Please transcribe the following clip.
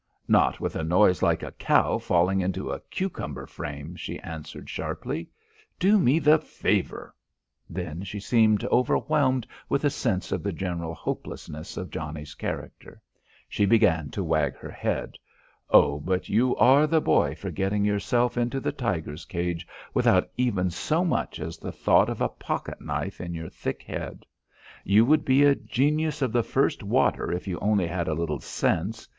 "Not with a noise like a cow fallin' into a cucumber frame," she answered sharply. "Do me the favour " Then she seemed overwhelmed with a sense of the general hopelessness of Johnnie's character. She began to wag her head. "Oh, but you are the boy for gettin' yourself into the tiger's cage without even so much as the thought of a pocket knife in your thick head. You would be a genius of the first water if you only had a little sense.